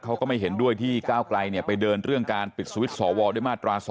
เขาก็ไม่เห็นด้วยที่ก้าวไกลไปเดินเรื่องการปิดสวิตช์สวด้วยมาตรา๒